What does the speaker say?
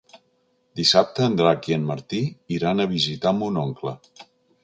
Dissabte en Drac i en Martí iran a visitar mon oncle.